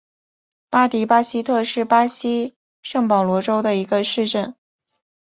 巴迪巴西特是巴西圣保罗州的一个市镇。